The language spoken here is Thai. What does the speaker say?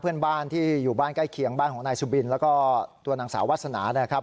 เพื่อนบ้านที่อยู่บ้านใกล้เคียงบ้านของนายสุบินแล้วก็ตัวนางสาววาสนานะครับ